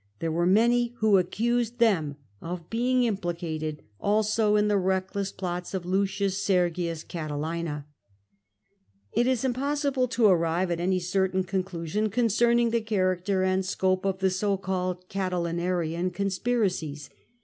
There were many who accused them of being implicated also in the reckless plots of L Sergius Catilina. It is impossible to arrive at any certain conclusion concerning the character and scope of the so called Catilinarian conspiracies.